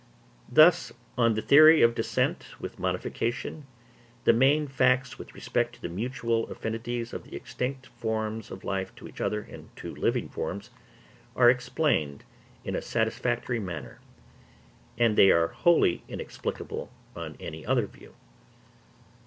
Thus, on the theory of descent with modification, the main facts with respect to the mutual affinities of the extinct forms of life to each other and to living forms, are explained in a satisfactory manner. And they are wholly inexplicable on any other view.